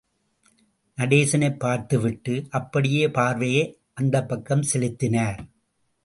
நடேசனைப் பார்த்துவிட்டு, அப்படியே பார்வையை அந்தப் பக்கம் செலுத்தினார்.